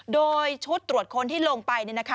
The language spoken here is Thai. โดยชุดตรวจค้นที่ลงไปนี่นะคะ